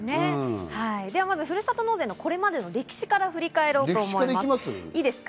ではまずは、ふるさと納税のこれまでの歴史から振り返ります。